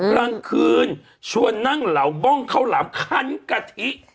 กลางคืนชวนนั่งเหลาบ้องข้าวหลามคันกะทิ